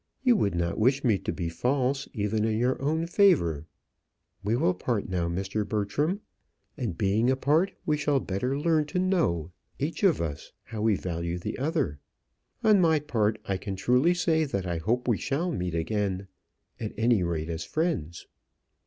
You would not wish me to be false even in your own favour. We will part now, Mr. Bertram; and being apart we shall better learn to know, each of us, how we value the other. On my part I can truly say that I hope we shall meet again at any rate, as friends."